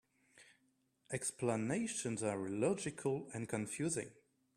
Explanations are illogical and confusing.